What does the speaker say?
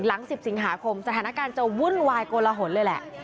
หลัง๑๐สิงหาคมสถานการณ์จะวุ่นวายโกลหนเลยแหละ